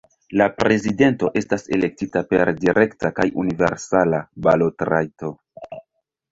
La prezidento estas elektita per direkta kaj universala balotrajto.